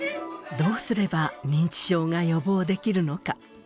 どうすれば認知症が予防できるのか。